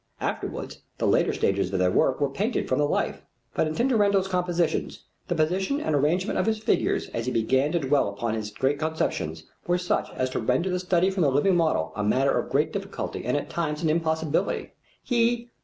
Afterwards the later stages of their work were painted from the life. But in Tintoretto's compositions the position and arrangement of his figures as he began to dwell upon his great conceptions were such as to render the study from the living model a matter of great difficulty and at times an impossibility.... He